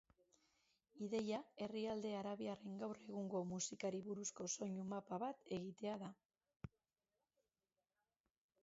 Ideia herrialde arabiarren gaur egungo musikari buruzko soinu-mapa bat egitea da.